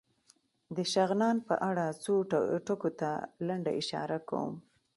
د شغنان په اړه څو ټکو ته لنډه اشاره کوم.